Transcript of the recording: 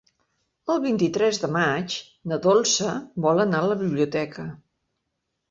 El vint-i-tres de maig na Dolça vol anar a la biblioteca.